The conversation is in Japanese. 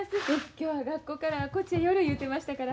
今日は学校からこっちへ寄る言うてましたから。